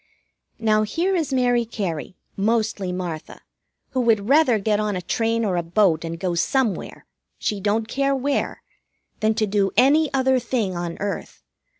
Now, here is Mary Cary, mostly Martha, who would rather get on a train or a boat and go somewhere she don't care where than to do any other thing on earth.